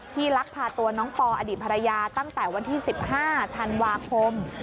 ลักพาตัวน้องปออดีตภรรยาตั้งแต่วันที่๑๕ธันวาคม